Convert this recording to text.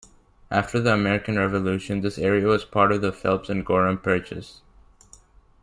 After the American Revolution, this area was part of the Phelps and Gorham Purchase.